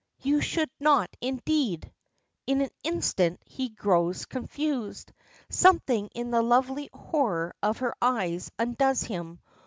You should not, indeed!" In an instant he grows confused. Something in the lovely horror of her eyes undoes him.